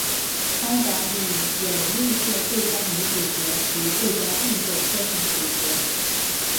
颁奖礼有另设最佳女主角及最佳动作片女主角。